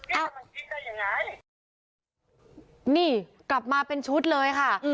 ถูกรางวัลที่หนึ่งไปขึ้นอย่างนั้นเหรอนี่กลับมาเป็นชุดเลยค่ะอืม